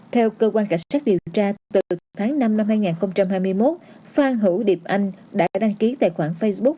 theo cơ quan cảnh sát điều tra từ tháng năm năm hai nghìn hai mươi một phan hữu điệp anh đã đăng ký tài khoản facebook